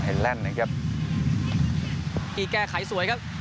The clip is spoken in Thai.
แลนด์นะครับที่แก้ไขสวยครับ